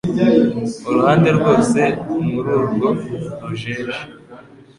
uruhande rwose muri urwo rujeje